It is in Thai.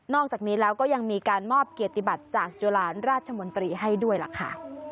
อกจากนี้แล้วก็ยังมีการมอบเกียรติบัติจากจุฬาราชมนตรีให้ด้วยล่ะค่ะ